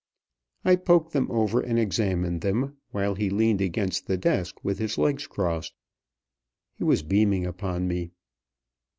I poked them over and examined them, while he leaned against the desk with his legs crossed. He was beaming upon me.